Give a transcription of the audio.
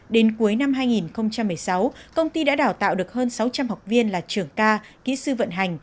đến cuối năm hai nghìn một mươi sáu công ty đã đào tạo được hơn sáu trăm linh học viên là trưởng ca kỹ sư vận hành